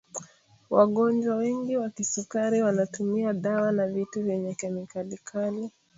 wagonjwa wengi wa kisukari wanatumia dawa na vitu vyenye kemikali kali